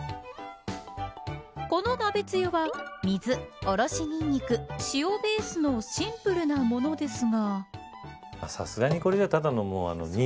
この鍋つゆは水、おろしニンニク塩ベースのシンプルなものですが。